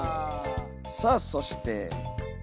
さあそして。